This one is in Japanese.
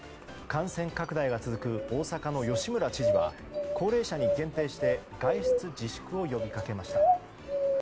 感染拡大が続く大阪の吉村知事は高齢者に限定して外出自粛を呼びかけました。